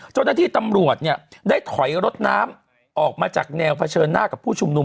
เจ้าหน้าที่ตำรวจเนี่ยได้ถอยรถน้ำออกมาจากแนวเผชิญหน้ากับผู้ชุมนุม